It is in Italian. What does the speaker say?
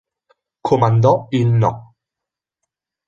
Comandò il No.